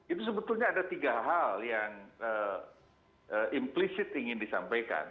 itu sebetulnya ada tiga hal yang implisit ingin disampaikan